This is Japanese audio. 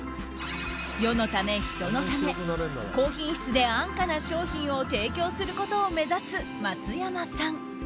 世のため、人のため高品質で安価な商品を提供することを目指す松山さん。